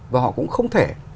và họ cũng không thể